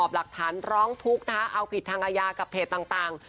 หลักฐานร้องทุกข์เอาผิดทางอาญากับเพจต่าง